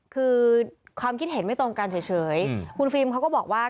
คือความคิดเห็นไม่ตรงกันเฉยคุณฟิล์มเขาก็บอกว่า